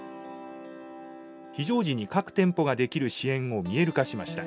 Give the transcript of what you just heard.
非常時に各店舗ができる支援を見える化しました。